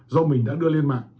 dù mình đã đưa lên mạng